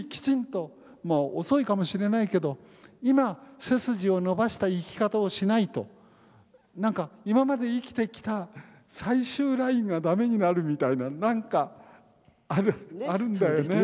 遅いかもしれないけど今背筋を伸ばした生き方をしないと何か今まで生きてきた最終ラインがダメになるみたいな何かあるんだよね。